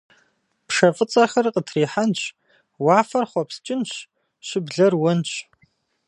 Пшэ фӏыцӏэхэр къытрихьэнщ, уафэр хъуэпскӏынщ, щыблэр уэнщ.